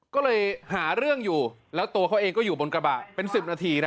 ก็เลยหาเรื่องอยู่แล้วตัวเขาเองก็อยู่บนกระบะเป็น๑๐นาทีนะ